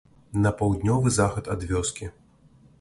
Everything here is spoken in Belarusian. На паўднёвы захад ад вёскі.